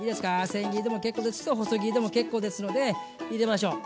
せん切りでも結構ですし細切りでも結構ですので入れましょう。